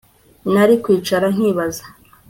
nari kwicara nkibaza